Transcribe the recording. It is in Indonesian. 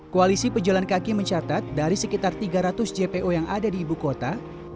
koalisi pejalan kaki mencatat dari sekitar tiga ratus jpo yang ada di ibu kota